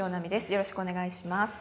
よろしくお願いします